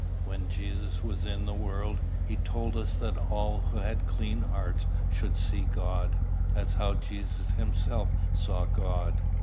When Jesus was in the world, he told us that all who had clean hearts should see God. That's how Jesus himself saw God."